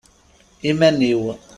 Iman-iw.